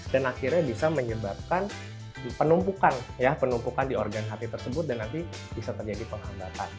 dan akhirnya bisa menyebabkan penumpukan ya penumpukan di organ hati tersebut dan nanti bisa terjadi pengambatan